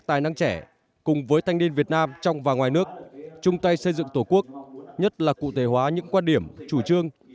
tài năng trẻ cùng với thanh niên việt nam trong và ngoài nước chung tay xây dựng tổ quốc nhất là cụ thể hóa những quan điểm chủ trương